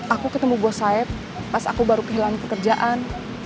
aku ketemu bos said pas aku baru kehilangan pekerjaan